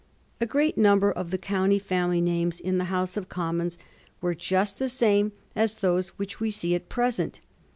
A great number of the county family names in the House of Commons were just the same as those which we see at present.